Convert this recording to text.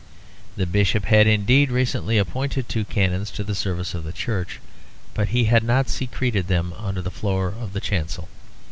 The bishop had indeed recently appointed two canons to the service of the Church, but he had not secreted them under the floor of the chancel.